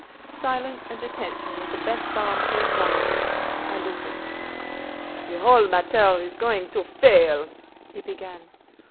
Silence and attention was the best balm to apply: I listened. "The whole matter is going to fail," he began.